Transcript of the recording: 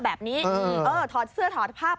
แบบนี้เออถอดเสื้อถอดภาพ